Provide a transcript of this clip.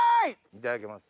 いただきます。